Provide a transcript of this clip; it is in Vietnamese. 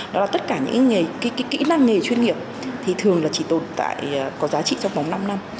đó là tất cả những kỹ năng nghề chuyên nghiệp thì thường là chỉ tồn tại có giá trị trong vòng năm năm